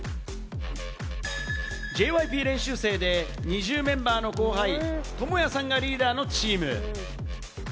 ＪＹＰ練習生でＮｉｚｉＵメンバーの後輩、トモヤさんがリーダーのチーム。